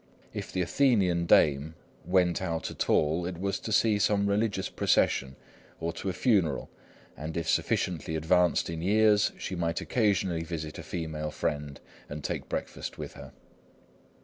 If the Athenian dame "went out at all, it was to see some religious procession, or to a funeral; and if sufficiently advanced in years she might occasionally visit a female friend, and take breakfast with her."